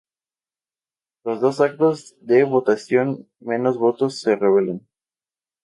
Los dos actos de votación menos votos se revelan.